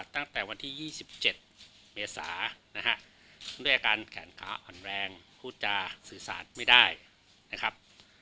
ตั้งแต่วันที่๒๗เมษานะฮะด้วยอาการแขนขาอ่อนแรงพูดจาสื่อสารไม่ได้นะครับ